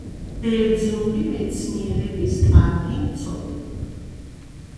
ბერძნული მეცნიერების კარგი მცოდნე.